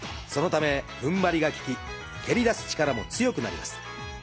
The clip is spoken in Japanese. そのため踏ん張りが利き蹴り出す力も強くなります。